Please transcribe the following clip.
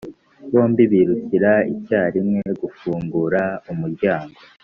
bombi birukira icyarimwe gufungura umuryango